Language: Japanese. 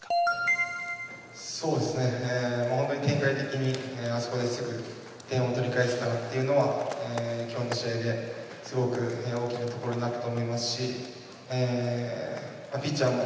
そうですね、本当に展開的に、あそこですぐ点を取り返せたっていうのは、きょうの試合ですごく大きかったところだと思いますし、ピッチャーも、